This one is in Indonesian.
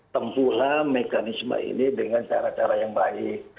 tempuhlah mekanisme ini dengan cara cara yang baik